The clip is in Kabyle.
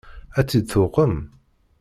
Ad t-id-tuqem?